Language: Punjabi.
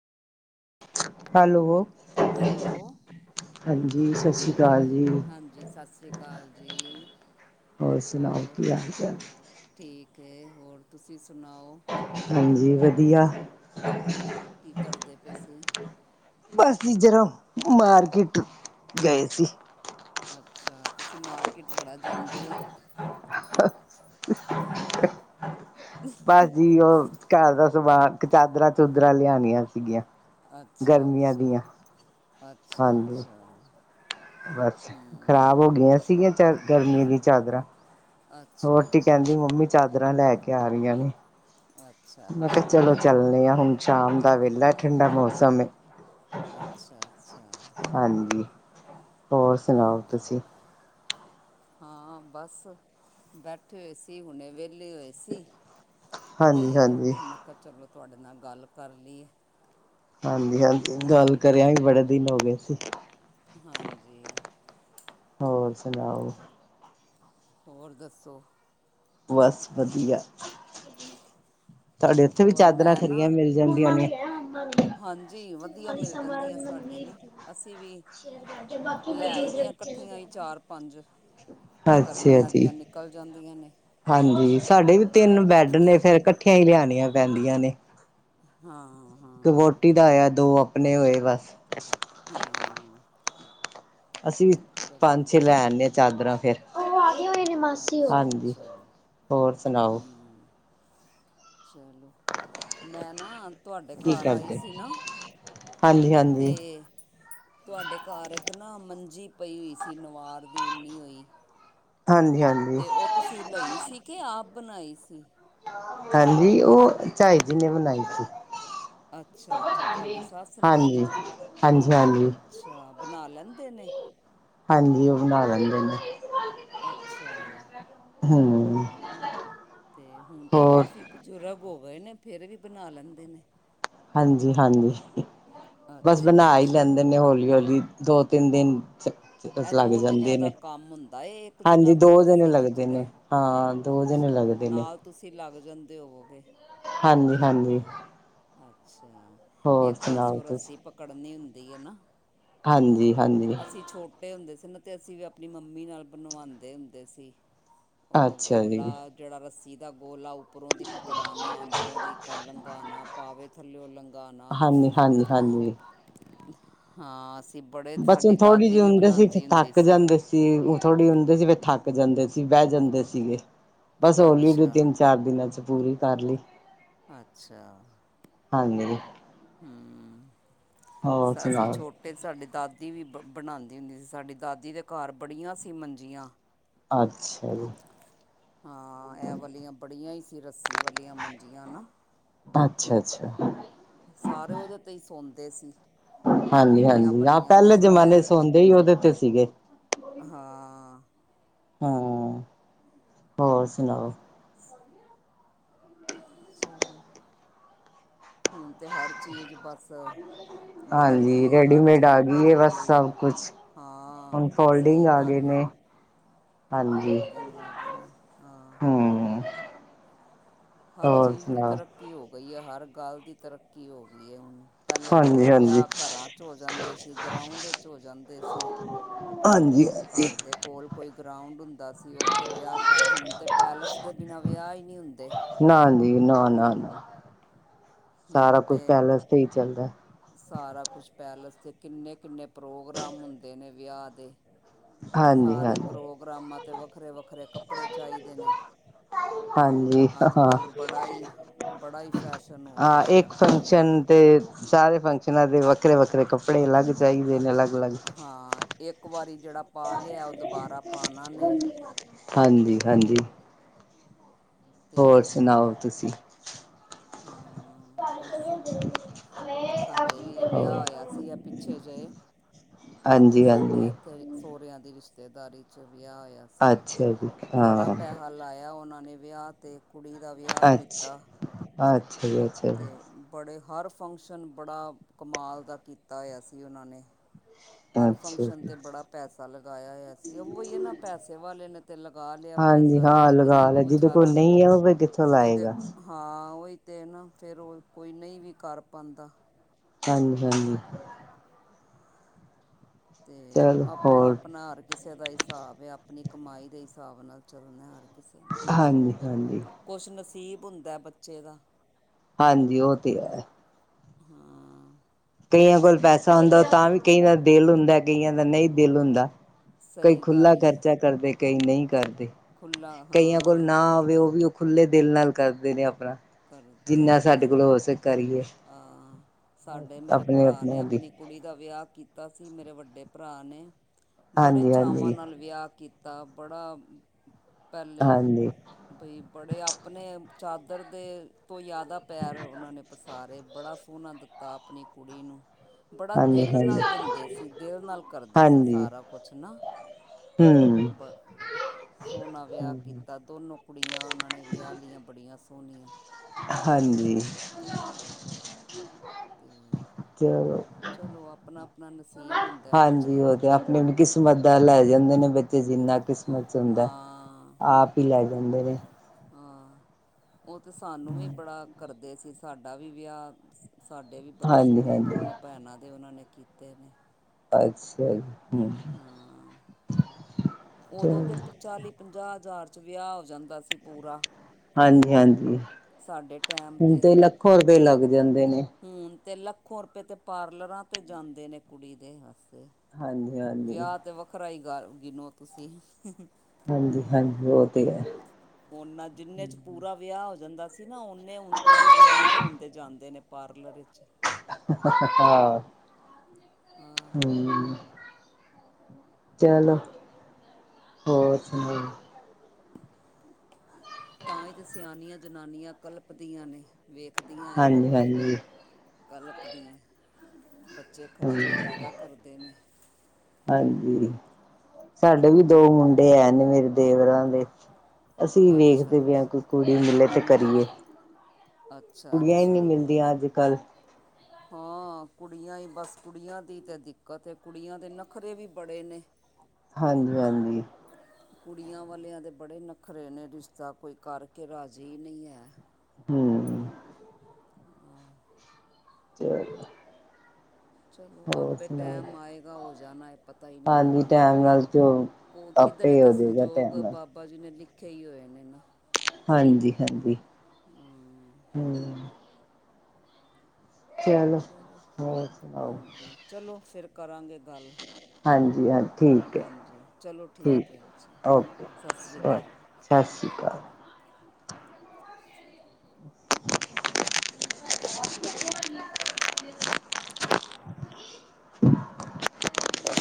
ਹੈਲੋ, ਹੈਲੋ, ਜੀ ਸਤਿ ਸ਼੍ਰੀਨਗਰ ਅਕਾਲ ਜੀ ਹਾਂਜੀ ਸਤਿ ਸ੍ਰੀ ਅਕਾਲ ਜੀ ਹੋਰ ਸੁਣਾਓ ਕੀ ਹਾਲ-ਚਾਲ, ਠੀਕ ਹੋਰ ਤੁਸੀਂ ਸੁਣਾਓ? ਹਾਂਜੀ ਵਧੀਆ, ਕੀ ਕਰਦੇ ਪਏ ਸੀ? ਬਸ ਜਰੋਂ ਮਾਰਕੀਟ ਗਏ ਸੀ। ਅੱਛਾ ਤੁਸੀਂ ਮਾਰਕੀਟ ਬੜਾ ਜਾਂਦੇ ਹੋ, ਬਸ ਜੀ ਉਹ ਘਰ ਦਾ ਸੁਭਾਅ ਚਾਦਰਾਂ ਚੂਦਰਰਾ ਲਿਆਣੀਆਂ ਸੀਗੀਆਂ ਗਰਮੀਆਂ ਦੀਆਂ ਹਾਂਜੀ ਅੱਛਾ-ਅੱਛਾ-ਅੱਛਾ-ਅੱਛਾ, ਬਸ ਖਰਾਬ ਹੋ ਗਈਆਂ ਸੀਗੀਆਂ ਚ ਗਰਮੀ ਦੀ ਚਾਦਰਾਂ ਅੱਛਾ ਬੋਟੀ ਕਹਿੰਦੀ ਮੰਮੀ ਚਾਦਰਾਂ ਲੈ ਕੇ ਆ ਰਹੀਆਂ ਨੇ ਅੱਛਾ ਮੈਂ ਕਿਹਾ ਅੱਛਾ ਚਲੋ ਚੱਲਣੇ ਆਾਂ ਹੁਣ ਸ਼ਾਮ ਦਾ ਵੇਹਲਾ ਠੰਡਾ ਮੌਸਮ ਅੱਛਾ-ਅੱਛਾ, ਹਾਂਜੀ ਹੋਰ ਸੁਣਾਓ ਤੁਸੀਂ? ਹਾਂ ਬਸ ਬੈਠੇ ਹੋਏ ਸੀ ਹੁਣੇ ਵੇਲੇ, ਲੇ ਹੋਏ ਸੀ ਹਾਂਜੀ ਤੇ ਹਾਂਜੀ ਮੈਂ ਕਿਹਾ ਚਲੋ ਤੁਹਾਡੇ ਨਾਲ ਗੱਲ ਕਰ ਲਈਏ। ਹਾਂਜੀ ਹਾਂਜੀ ਗੱਲ ਕਰਿਆ ਵੀ ਬੜੇ ਦਿਨ ਹੋ ਗਏ ਸੀ। ਹਾਂਜੀ ਹੋਰ ਸੁਣਾਓ? ਹੋਰ ਦੱਸੋ? ਬਸ ਵਧੀਆ ਤੁਹਾਡੇ ਉੱਥੇ ਵੀ ਹੋਰ ਚਾਦਰਾਂ ਮੈਂ ਨਾ ਖਰੀਆਂ ਮਿਲ ਜਾਂਦੀਆਂ ਨੇ ਹਾਂਜੀ ਤੂੰ ਵਧੀਆ ਖਾਲ ਮਿਲ ਸ ਮਾਰ ਜਾਂਦੀਆਂ ਸਾਡੇ ਵੀ ਬਾਕੀ ਇਹਦੀਆਂ ਇਕੱਠੀਆਂ ਹੀ ਚਾਰ ਪੰਜ ਅੱਛਾ ਗਰਮੀਆਂ ਜੀ ਦੀਆਂ ਨਿਕਲ ਜਾਂਦੀਆਂ ਨੇ। ਹਾਂਜੀ ਸਾਡੇ ਵੀ ਤਿੰਨ ਬੈਡ ਨੇ ਫੇਰ ਕੱਠੀਆਂ ਈ ਲਿਆਣੀਆਂ ਪੈਂਦੀਆਂ ਨੇ। ਹਾਂ ਕ ਹਾਂ ਵੋਟੀ ਦਾ ਆਇਆ ਦੋ ਆਪਣੇ ਹੋਏ ਬਸ। ਹਹਾਂ ਅਸੀਂ ਵੀ ਪੰਜ ਛੇ ਲੈਣੇ ਅ ਚਾਦਰਾਂ ਫੇਰ। ਏ ਵਲੀ ਮਾਸੀ ਏ ਅੱਛਾ ਹਾਂਜੀ ਅੱਛਾ ਹੋਰ ਸਣਾਓ। ਹੂੰ ਚਲੋ ਮੈਂ ਨਾ ਤੁਹਾਡੇ ਕੀ ਘਰ ਆਈ ਕਰਦੇ ਸੀ ਨਾ। ਹਾਂਜੀ ਤੇ ਹਾਂਜੀ ਤੁਹਾਡੇ ਘਰ ਏਕ ਨਾ ਮੰਜੀ ਪਈ ਹੋਈ ਸੀ। ਨਵਾਰ ਦੀ ਉੱਨੀ ਹੋਈ। ਹਾਂਜੀ ਹਾਂਜੀ ਤੇ ਓ ਤੁਸੀਂ ਲਈ ਸੀ ਕੇ ਆਪ ਬਣਾਈ ਸੀ। ਹਾਂਜੀ ਓ ਚਾਈ ਜੀ ਨੇ ਬਨਾਈ ਸੀ। ਅੱਛਾ-ਅੱਛਾ ਤੁਹਾਡੀ ਸੱਸ ਨੇ। ਹਾਂਜੀ, ਹਾਂਜੀ, ਹਾਂਜੀ, ਅੱਛਾ ਬਣਾ ਲੈਂਦੇ ਨੇ। ਹਾਂਜੀ ਉ ਬਣਾ ਲੈਂਦੇ ਨੇ। ਅੱਛਾ। ਹਮ। ਤੇ ਹੁਣ ਤੇ ਕਾਫੀ ਬਜ਼ੁਰਗ ਹੋ ਗਏ ਨੇ ਫੇਰ ਵੀ ਬਣਾ ਲੈਂਦੇ ਨੇ। ਹਾਂਜੀ-ਹਾਂਜੀ ਹੀ ਬਸ ਅੱਛਾ ਬਣਾ ਈ ਅੱਛਾ ਲੈਂਦੇ ਨੇ ਹੌਲੀ-ਹੌਲੀ। ਦੋ ਤਿੰਨ ਦਿਨ ਇਹ ਲੱਗ ਦੋ ਜਣਿਆਂ ਜਾਂਦੇ ਦਾ ਨੇ। ਕੰਮ ਹੁੰਦਾ ਏ ਇੱਕ ਜਣਾ ਹਾਂਜੀ ਦੋ ਜਣੇ ਰੱਸੀ ਲੱਗਦੇ ਖਿੱਚਦਾ ਨੇ ਹੈ। ਹਾਂ ਦੋ ਦਿਨ ਅੱਛਾ। ਲੱਗਦੇ ਨਾਲ ਤੁਸੀਂ ਲੱਗ ਜਾਂਦੇ ਹੋਵੋਗੇ। ਹਾਂਜੀ-ਹਾਂਜੀ। ਅੱਛਾ ਇੱਕ ਪਾਸਿਓਂ ਰੱਸੀ ਪਕੜਨੀ ਹੁੰਦੀ ਏ ਨਾ? ਹਾਂਜੀ-ਹਾਂਜੀ। ਟੇ ਹੁੰਦੇ ਸੀ ਨਾ ਤੇ ਅਸੀਂ ਵੀ ਆਪਣੀ ਮੰਮੀ ਨਾਲ ਬਣ‌ਂਵਾਦੇ ਹੁੰਦੇ ਸੀ। ਉ ਅੱਛਾ ਜੀ ਗੋਲਾ ਜੇਹੜਾ ਰੱਸੀ ਦਾ ਗੋਲਾ ਉਪ ਉੱਪਰੋਂ ਦੀ ਪਕੜਾਣਾ, ਅੰਦਰੋਂ ਦੀ ਕ ਲੰਘਾਣਾ, ਪਾਵੇ ਥੱਲਿਓ ਲੰਘਾਣਾ। ਅ ਹਾਂਜੀ। ਹਾਂ ਅਸੀਂ ਬੜੇ ਸਾਡੀ ਦਾਦੀ ਵੀ ਜੇ ਅਸੀ ਥ ਬਣਾਉਂਦੀ ਹੁੰਦੀ ਥੱਕ ਜਾਂਦੇ ਸੀ। ਉਹ ਥੋੜੀ ਹੁੰਦੇ ਸੀ ਥੱਕ ਜਾਂਦੇ ਸੀ ਬਹ ਜਾਂਦੇ ਸੀਗੇ। ਬਸ ਹੋਲੀ ਵੀ ਅੱਛਾ ਤਿੰਨ ਚਾਰ ਦਿਨਾਂ ਚ ਪੂਰੀ ਕਰ ਲੀ। ਅੱਛਾ। ਹਾਂਜੀ। [unintelligible] ਹੂੰ। ਹੋਰ ਅਸੀਂ ਸੁਣਾਓ ਛੋਟੇ ਸਾਡੇ ਦਾਦੀ ਵੀ ਬ ਬਣਾਉਂਦੀ ਹੁੰਦੀ ਸੀ। ਸਾਡੀ ਦਾਦੀ ਦੇ ਘਰ ਬੜੀਆਂ ਸੀ ਮੰਜੀਆਂ। ਆਛਾ ਜੀ। ਹਾਂ ਇਹ ਵਲੀਆਂ ਬੜੀਆਂ ਈ ਸੀ ਰੱਸੀ ਵਲੀਆਂ ਮੰਜੀਆਂ ਨਾ। ਅੱਛਾ-ਅੱਛਾ। ਦੇਸੀ। ਹਾਂਜੀ-ਹਾਂਜੀ। ਹਾਂ ਪਹਿਲੇ ਲੈ ਜਮਾਨੇ ਚ ਸੌਦੇ ਈ ਉਹਦੇ ਤੇ ਸੀਗੇ। ਹਾਂ ਹਮ। ਹੋਰ ਸਣਾਓ? ਚਲੋ। ਹੁਣ ਤੇ ਹਰ ਚੀਜ਼ ਬਸ ਬਦਲ ਹਾਂਜੀ ਗਈ ਹੈ ਹਰ ਰੇਡੀਮੇਡ ਆ ਚੀਜ਼ ਗੀ ਏ। ਬਦਲ ਬਸ ਗਈ ਹੈ ਸਭ ਕੁਛ ਹਾਂ ਹੁਣ ਸਹੀ ਫੋਲਡਿੰਗ ਆ ਗੇ ਗੱਲ ਹੈ ਨੇ। ਹਾਂਜੀ ਫੋਲਡਿੰਗ ਆ ਗਏ ਨੇ। ਹਾਂ। ਹਮ ਹਰ ਹੋਰ ਚੀਜ਼ ਦੀ ਸੁਣਾਓ ਤਰੱਕੀ ਹੋ ਗਈ ਏ। ਹਰ ਗੱਲ ਦੀ ਤਰੱਕੀ ਹੋ ਗੀ ਏ ਹੁਣ। ਪਹਿਲੇ ਵ ਹਾਂਜੀ ਹਾਂਜੀ ਵਿਆਹ ਘਰਾਂ 'ਚ ਹੋ ਜਾਂਦੇ ਸੀ ਗਰਾਊਂਡ ਇਚ ਹੋ ਜਾਂਦੇ ਸੀ। ਹਾਂਜੀ-ਹਾਂਜੀ। ਗਰਾਉਂਡ ਹੁੰਦਾ ਸੀ। ਉੱਥੇ ਵਿਆਹ ਕਰ ਹੁਣ ਤੇ ਪੈਲੇਸ ਦੇ ਬਿਨਾਂ ਵਿਆਹ ਈ ਨੀ ਹੁੰਦੇ। ਨਾ ਦੀ ਨਾ-ਨਾ-ਨਾ। ਸਾਰਾ ਹੁਣ ਕੁਛ ਤਾਂ ਪੈਲੇਸ ਤੇ ਹੀ ਚੱਲਦਾ। ਸਾਰਾ ਕੁਛ ਪੈਲੇਸ ਕਿੰਨੇ ਕਿੰਨੇ ਪ੍ਰੋਗਰਾਮ ਹੁੰਦੇ ਨੇ ਵਿਆਹ ਦੇ ਹਾਂਜੀ ਸਾਰੇ ਹਾਂਜੀ ਪ੍ਰੋਗਰਾਮਾਂ ਵੱਖਰੇ-ਵੱਖਰੇ ਕੱਪੜੇ ਚਾਹੀਦੇ ਨੇ ਹਾਂਜੀ ਅੱਜ ਹਾਂ ਕੱਲ੍ਹ ਬੜਾ ਹੀ ਬੜਾ ਫੈਸ਼ਨ ਹੋ ਗਿਆ। ਹਰ ਇੱਕ ਗੱਲ ਦਾ ਫੰਕਸ਼ਨ ਅਤੇ ਸਾਰੇ ਫੰਕਸ਼ਨਾਂ ਦੇ ਵੱਖਰੇ-ਵੱਖਰੇ ਕੱਪੜੇ ਅਲੱਗ ਚਾਹੀਦੇ ਨੇ ਅਲੱਗ, ਅਲੱਗ ਹਾਂ ਇੱਕ ਵਾਰੀ ਜਿਹੜਾ ਪਾ ਲਿਆ ਉਹ ਦੁਬਾਰਾ ਪਾਣਾ ਨਹੀਂ ਹਾਂਜੀ-ਹਾਂਜੀ, ਹੋਰ ਅਤੇ ਸੁਣਾਓ ਤੁਸੀਂ? ਹਾਂ, ਬਸ [unintelligible] ਸਾਡੇ ਵੀ ਵਿਆਹ ਹੋਰ ਹੋਇਆ ਸੀਗਾ ਪਿੱਛੇ ਜਿਹੇ, ਹਾਂਜੀ ਸਾਡੇ ਹਾਂਜੀ ਹੱਥ ਸੋਹਰਿਆਂ ਦੀ ਰਿਸ਼ਤੇ ਰਿਸ਼ਤੇਦਾਰੀ ਵਿਆਹ ਹੋਇਆ ਸੀ ਅੱਛਾ ਜੀ ਬੜਾ ਹਾਂ ਪੈਸਾ ਲਾਇਆ ਉਹਨਾਂ ਨੇ ਵਿਆਹ 'ਤੇ ਕੁੜੀ ਦਾ ਵਿਆਹ ਅੱਛਾ ਕੀਤਾ। ਅੱਛਾ ਜੀ ਅੱਛਾ ਜੀ, ਅਤੇ ਬੜੇ ਹਰ ਫੰਕਸ਼ਨ ਬੜਾ ਕਮਾਲ ਦਾ ਕੀਤਾ ਹੋਇਆ ਸੀ ਉਹਨਾਂ ਨੇ, ਹਰ ਅੱਛਾ ਫੰਕਸ਼ਨ ਜੀ ਤੇ ਬੜਾ ਪੈਸਾ ਲਗਾਇਆ ਹੋਇਆ ਸੀ ਉਹੀ ਇਹ ਨਾ ਪੈਸੇ ਵਾਲੇ ਨੇ ਤੇ ਲਗਾ ਲਿਆ। ਹਾਂਜੀ, ਪੈਸਾ ਹਾਂ ਜਿਹੜਾ ਲਗਾ ਲ ਗਰੀਬ ਹੈ ਜਿਹਦੇ ਕੋਲ ਵਿਚਾਰਾ ਨਹੀਂ ਆ ਉਹ ਫੇਰ ਕਿੱਥੋਂ ਲਾਏਗਾ। ਤੇ ਨਾ ਫੇਰ ਉਹ ਕੋਈ ਨਹੀਂ ਵੀ ਕਰ ਪਾਦਾ। ਹਾਂਜੀ-ਹਾਂਜੀ, ਤੇ ਚਲ ਆਪਣਾ ਹੋਰ ਆਪਣਾ ਹਰ ਕਿਸੇ ਬੱਚ ਦਾ ਹਿਸਾਬ ਹੈ ਆਪਣੀ ਕਮਾਈ ਦੇ ਹਿਸਾਬ ਨਾਲ ਚੱਲਣਾ ਹਰ ਕਿਸੇ ਹਾਂਜੀ-ਹਾਂਜੀ, ਈਬ ਹੁੰਦਾ ਬੱਚੇ ਦਾ ਹਾਂਜੀ ਉਹ ਤੇ ਹੈ, ਹਾਂ, ਕਈਆਂ ਕੋਲ ਪੈਸਾ ਹੁੰਦਾ ਤਾਂ ਵੀ ਕਈ ਦਾ ਦਿਲ ਹੁੰਦਾ ਕਈਆਂ ਦਾ ਨਹੀਂ ਦਿਲ ਹੁੰਦਾ ਕਈ ਸਹੀ ਖੁਾ ਗੱਲ ਹੈ ਖਰਚਾ ਕਰਦੇ ਕਈ ਨਹੀਂ ਕਰਦੇ ਖੁੱਲ੍ਹਾ ਕਈਆਂ ਕੋਲ ਨਾ ਹਾਂ ਆਵੇ ਉਹ ਵੀ ਖੁੱਲੇ ਦਿਲ ਨਾਲ ਕਰਦੇ ਨੇ ਆਪਣਾ ਕਰ ਜਿੰਨਾ ਸਹੀ ਸਾਡੇ ਕੋਲ ਗੱਲ ਹੋ ਸਕੇ ਕਰੀਏ ਹਾਂ ਸਾਡੇ ਮੇਰੇ ਆਪਣੇ ਭਰਾ ਨੇ ਆਪਣਿਆਂ ਦੀ ਆਪਣੀ ਕੁੜੀ ਦਾ ਵਿਆਹ ਕੀਤਾ ਸੀ ਮੇਰੇ ਵੱਡੇ ਭਰਾ ਨੇ ਬੜੇ ਹਾਂਜੀ ਚਾਵਾਂ ਹਾਂਜੀ ਨਾਲ ਵਿਆਹ ਕੀਤਾ ਬੜਾ ਪਲੇੇ ਹਾਂਜੀ ਬਈ ਬੜੇ ਆਪਣੇ ਚਾਦਰ ਦੇ ਤੋਂ ਜ਼ਿਆਦਾ ਪੈਰ ਉਹਨਾਂ ਨੇ ਪਸਾਰੇ ਬੜਾ ਸੋਹਣਾ ਦਿੱਤਾ ਆਪਣੀ ਕੁੜੀ ਨੂੰ ਬੜਾ ਹਾਂਜੀ ਦਿਲ ਹਾਂਜੀ ਨਾਲ ਦਿੰਦੇ ਸੀ ਦਿਲ ਨਾਲ ਕਰਦੇ ਸੀ ਸਾਰਾ ਕੁਛ ਨਾ ਹੂੰ, ਸੋਹਨਾ ਵਿਆਹ ਕੀਤਾ ਦੋਨੋ ਕੁੜੀਆਂ ਉਹਨਾਂ ਨੇ ਵਿਆਹ ਲਈਆਂ ਬੜੀਆਂ ਸੋਹਣੀਆਂ ਹਾਂਜੀ, ਅਤੇ ਚਲੋ ਚਲੋ ਆਪਣਾ ਆਪਣਾ ਨਸੀਬ ਹੁੰਦਾ ਹਾਂਜੀ ਬੱਚੇ ਦਾ ਉਹ ਤੇ ਆਪਣੇ ਵੀ ਕਿਸਮਤ ਦਾ ਲੈ ਜਾਂਦੇ ਨੇ ਤੇ ਜਿੰਨਾ ਕਿਸਮਤ ਚ ਹੁੰਦਾ ਹਾਂ ਆਪ ਹੀ ਲੈ ਜਾਂਦੇ ਨੇ ਹਾਂ ਉਹ ਤੇ ਸਾਨੂੰ ਵੀ ਬੜਾ ਕਰਦੇ ਸੀ ਸਾਡਾ ਵੀ ਵਿਆਹ ਸਾਡੇ ਵੀ ਬੜੇ ਹਾਂਜੀ ਸੋਹਣੇ ਹਾਂਜੀ ਦੋਨੋ ਭੈਣਾਂ ਦੇ ਉਹਨਾਂ ਨੇ ਕੀਤੇ ਨੇ ਅੱਛਾ ਜੀ, ਹਮ ਹਾਂ ਉਦੋਂ ਤੇ ਚਲੋ ਚਾਲੀ ਪੰਜਾਹ ਹਜ਼ਾਰ ਚ ਵਿਆਹ ਹੋ ਜਾਂਦਾ ਸੀ ਪੂਰਾ ਹਾਂਜੀ-ਹਾਂਜੀ, ਸਾਡੇ ਟਾਈਮ ਹੁਣ ਤੇ ਲੱਖੋ ਰੁਪਏ ਲੱਗ ਜਾਂਦੇ ਨੇ ਤੇ ਲੱਖੋ ਰੁਪਏ ਤੇ ਪਾਰਲਰਾਂ ਤੇ ਜਾਂਦੇ ਨੇ ਕੁੜੀ ਦੇ ਹਾਂਜੀ-ਹਾਂਜੀ, ਗ ਗਿਨੋ ਤੁਸੀਂ ਹਾਂਜੀ-ਹਾਂਜੀ ਉਹ ਤੇ ਹੈ, ਉਨਾ ਜਿੰਨੇ ਚ ਪੂਰਾ ਵਿਆਹ ਹੋ ਜਾਂਦਾ ਸੀ ਨਾ ਉਨੇ ਹੁਣ ਕੁੜੀ ਤਿਆਰ ਹੋਣਦੇ ਜਾਂਦੇ ਨੇ ਪਾਰਲਰ ਚ ਹਾਂ, ਹਾਂ ਹੂੰ, ਚਲੋ ਹੋਰ ਚਲੋ ਸੁਣਾਓ? ਤਾਂ ਹੀ ਤੇ ਸਿਆਣੀਆਂ ਜਨਾਨੀਆਂ ਕਲਪਦੀਆਂ ਨੇ, ਵੇਖਦੀਆਂ ਉਹ ਹਾਂਜੀ ਫਿਰ ਹਾਂਜੀ ਕਲਪਦੀਆਂ ਬੱਚੇ ਹਮ ਖਰਚੇ ਜਾਦਾ ਕਰਦੇ ਨੇ ਹਾਂਜੀ ਸਾਡੇ ਵੀ ਦੋ ਮੁੰਡੇ ਐ ਨੇ ਮੇਰੇ ਦੇਵਰਾਂ ਦੇ ਅਸੀਂ ਅੱਛਾ ਵੇਖਦੇ ਪਏ ਹਾਂ ਅੱਛਾ ਕਿ ਕੁੜੀ ਮਿਲੇ ਤੇ ਕਰੀਏ। ਅੱਛਾ ਕੁੜੀਆਂ ਹੀ ਨੀ ਮਿਲਦੀਆਂ ਅੱਜ ਕੱਲ ਹਾਂ, ਹਾਂ ਕੁੜੀਆਂ ਹੀ ਬਸ ਕੁੜੀਆਂ ਦੀ ਤਾਂ ਦਿੱਕਤ ਹੈ ਕੁੜੀਆਂ ਦੇ ਨਖਰੇ ਵੀ ਬੜੇ ਨੇ ਹਾਂਜੀ-ਹਾਂਜੀ, ਕੁੜੀਆਂ ਵਾਲਿਆਂ ਦੇ ਬੜੇ ਨਖਰੇ ਨੇ ਰਿਸ਼ਤਾ ਕੋਈ ਕਰਕੇ ਰਾਜ਼ੀ ਨਹੀਂ ਹੈ। ਹੂੰ, [unintelligible] ਚਲੋ ਹੋਰ ਆਪੇ ਸੁਣਾਓ ਟੈਮ ਆਏਗਾ ਹੋ ਜਾਣਾ ਹੈ ਪਤਾ ਹੀ ਨਹੀਂ ਹਾਂਜੀ ਲੱਗਣਾ। ਟੈਮ ਨਾਲ ਜੋ ਕੋ ਆਪੇ ਕਿੱਧਰੇ ਤੇ ਹੋ ਜਾਏਗਾ ਸੰਜੋਗ ਟੈਮ ਨਾਲ ਬਾਬਾ ਜੀ ਨੇ ਲਿਖੇ ਹੀ ਹੋਏ ਨੇ ਨਾ, ਹਾਂਜੀ-ਹਾਂਜੀ, ਹਾਂ ਚਲੋ, ਹੋਰ ਸੁਣਾਓ? ਹਾਂਜੀ ਚਲੋ ਫਿਰ ਕਰਾਂਗੇ ਗੱਲ, ਹਾਂਜੀ ਹਾਂ ਠੀਕ ਹੈ ਹਾਂਜੀ, ਚਲੋ ਠੀਕ ਹੈ ਅੱਛਾ ਸਤਿ ਸ੍ਰੀ ਅਕਾਲ ਸਤਿ ਸ਼੍ਰੀ ਅਕਾਲ [unintelligible] [unintelligible]